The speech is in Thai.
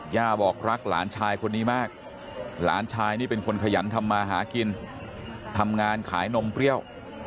บอกรักหลานชายคนนี้มากหลานชายนี่เป็นคนขยันทำมาหากินทำงานขายนมเปรี้ยว